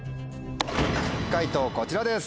解答こちらです。